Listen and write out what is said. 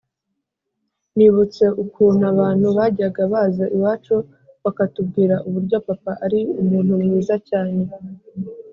nibutse ukuntu abantu bajyaga baza iwacu bakatubwira uburyo papa ari umuntu mwiza cyane